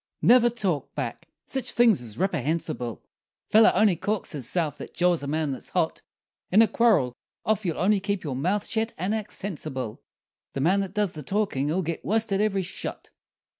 ] Never talk back! sich things is ripperhensible; feller only "corks" hisse'f that jaws a man that's hot; In a quarrel, of you'll only keep your mouth shet and act sensible, The man that does the talkin'll git worsted every shot!